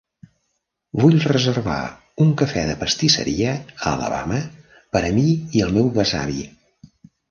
Vull reservar un cafè de pastisseria a Alabama per a mi i el meu besavi.